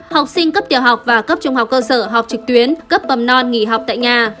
học sinh cấp tiểu học và cấp trung học cơ sở học trực tuyến cấp bầm non nghỉ học tại nhà